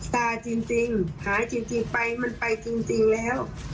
ซาจริงหายจริงไปมันไปจริงแล้ว